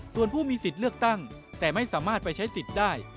ส่วนผู้มีสิทธิ์เลือกตั้งแต่ไม่สามารถไปใช้สิทธิ์ได้